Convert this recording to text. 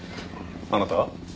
あなたは？